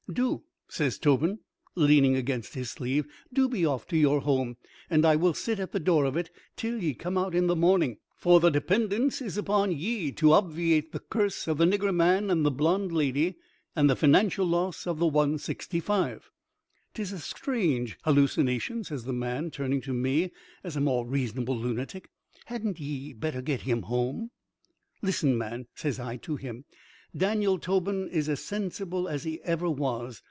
"Do," says Tobin, leaning against his sleeve. "Do be off to your home. And I will sit at the door of it till ye come out in the morning. For the dependence is upon ye to obviate the curse of the nigger man and the blonde lady and the financial loss of the one sixty five." "'Tis a strange hallucination," says the man, turning to me as a more reasonable lunatic. "Hadn't ye better get him home?" "Listen, man," says I to him. "Daniel Tobin is as sensible as he ever was.